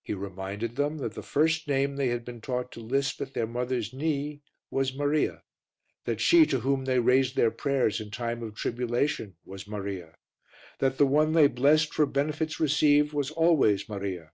He reminded them that the first name they had been taught to lisp at their mother's knee was Maria; that she to whom they raised their prayers in time of tribulation was Maria; that the one they blessed for benefits received was always Maria.